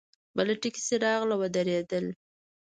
بله ټیکسي راغله ودرېده.